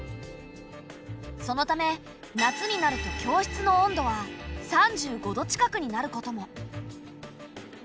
そのため夏になると教室の温度は３５度近くになることも。